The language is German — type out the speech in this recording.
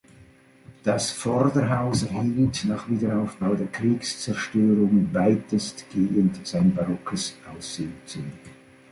Das Vorderhaus erhielt, nach Wiederaufbau der Kriegszerstörungen, weitestgehend sein barockes Aussehen zurück.